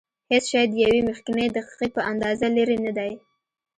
هېڅ شی د یوې مخکنۍ دقیقې په اندازه لرې نه دی.